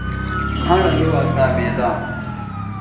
گھنڑ لو اسا میداں مہ